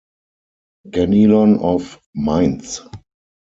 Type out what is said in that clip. "Ganelon of Mainz".